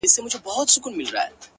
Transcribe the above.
د ژوند پر هره لار چي ځم يوه بلا وينم’